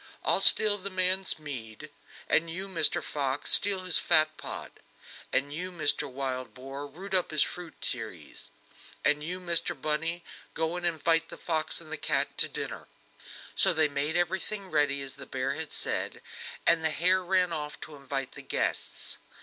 I'll steal the man's mead; and you, Mr Wolf, steal his fat pot; and you, Mr Wildboar, root up his fruit trees; and you, Mr Bunny, go and invite the fox and the cat to dinner." So they made everything ready as the bear had said, and the hare ran off to invite the guests.